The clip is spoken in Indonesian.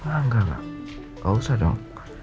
enggak lah gak usah dong